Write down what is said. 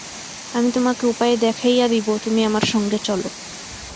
আমি তোমাকে উপায় দেখাইয়া দিব, তুমি আমার সঙ্গে চলো।